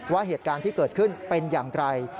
ว่าเหตุการณ์ที่เกิดขึ้นเป็นอย่างไร